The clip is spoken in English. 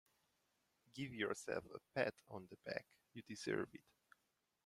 Give yourself a pat on the back, you deserve it.